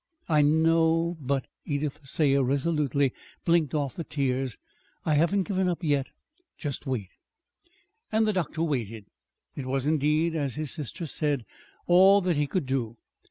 "I know, but" Edith Thayer resolutely blinked off the tears "I haven't given up yet. Just wait." And the doctor waited. It was, indeed, as his sister said, all that he could do.